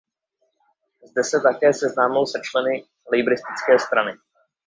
Zde se také seznámil se členy Labouristické strany.